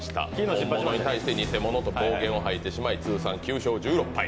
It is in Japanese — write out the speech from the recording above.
ホンモノに対してニセモノと暴言を吐いてしまい通算９勝１６敗。